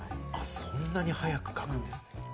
そんなに早く描くんですね。